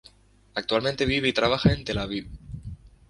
Actualmente vive y trabaja en Tel-Aviv.